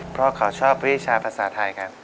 เพราะเขาชอบวิชาภาษาไทยครับ